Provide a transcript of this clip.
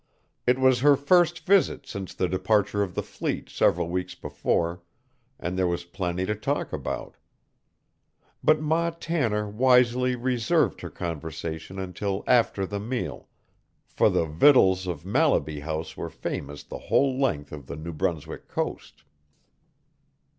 It was her first visit since the departure of the fleet several weeks before, and there was plenty to talk about. But Ma Tanner wisely reserved her conversation until after the meal, for the "vittles" of Mallaby House were famous the whole length of the New Brunswick coast.